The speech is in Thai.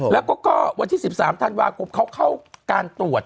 และก็วันที่๑๓ท่านวางกลุ๊ปเขาเข้าการตรวจ